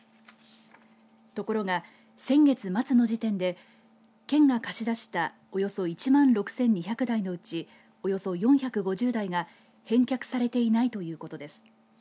ところが先月末の時点で県が貸し出したおよそ１万６２００台のうちおよそ４５０台が返却されていないということです。